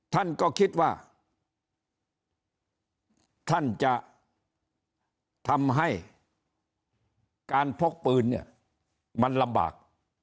ท่านก็คิดว่าท่านจะทำให้การพกปืนเนี่ยมันลำบาก